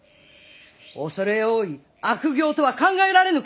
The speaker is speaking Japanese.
恐れ多い悪行とは考えられぬか！